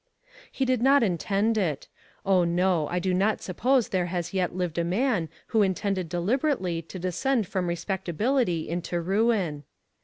He did* not intend it ; oh, no ; I do not suppose there has yet lived a man who in tended deliberately to descend from respect ability into ruin.